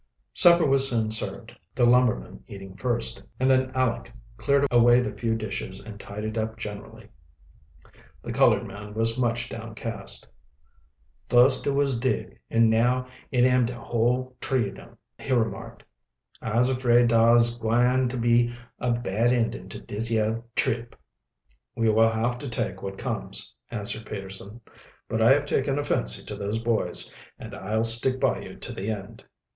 Supper was soon served, the lumberman eating first, and then Aleck cleared away the few dishes and tidied up generally. The colored man was much downcast. "Fust it was Dick, an' now it am de whole t'ree of 'em," he remarked. "I'se afraid dar is gwine ter be a bad endin' to dis yeah trip." "We will have to take what comes," answered Peterson. "But I have taken a fancy to those boys, and I'll stick by you to the end."